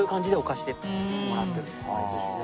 毎年ね。